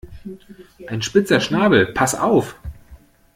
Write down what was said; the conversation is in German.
Ein spitzer Schnabel, pass auf!